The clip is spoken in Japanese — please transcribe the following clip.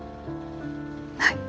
はい。